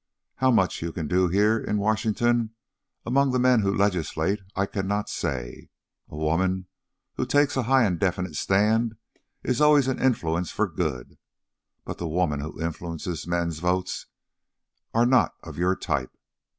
How much you can do here in Washington among the men who legislate I cannot say. A woman who takes a high and definite stand is always an influence for good; but the women who influence men's votes are not of your type.